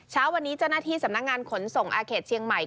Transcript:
เช้าวันนี้เจ้าหน้าที่สำนักงานขนส่งอาเขตเชียงใหม่